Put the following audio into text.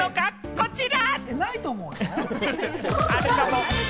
こちら！